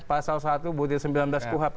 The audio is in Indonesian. pasal satu budil sembilan belas kuhab